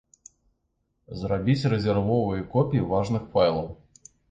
Зрабіць рэзервовыя копіі важных файлаў.